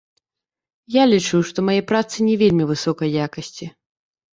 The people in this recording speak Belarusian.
Я лічу, што мае працы не вельмі высокай якасці.